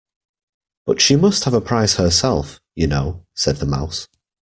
‘But she must have a prize herself, you know,’ said the Mouse.